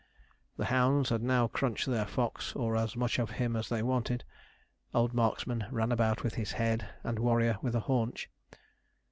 The hounds had now crunched their fox, or as much of him as they wanted. Old Marksman ran about with his head, and Warrior with a haunch.